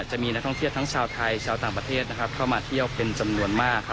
จะมีนักท่องเที่ยวทั้งชาวไทยชาวต่างประเทศเข้ามาเที่ยวเป็นจำนวนมาก